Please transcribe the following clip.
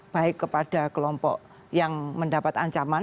baik kepada kelompok yang mendapat ancaman